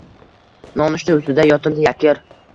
Nonushta ustida sotildi Yakir